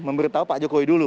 memberitahu pak jokowi dulu